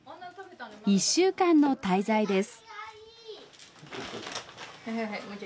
１週間の滞在です。